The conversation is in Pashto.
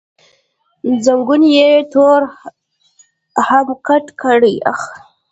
زنګون یې نور هم کت کړ، اخ.